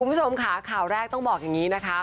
คุณผู้ชมค่ะข่าวแรกต้องบอกอย่างนี้นะคะ